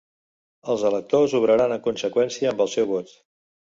Els electors obraran en conseqüència amb el seu vot.